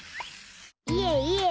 いえいえ。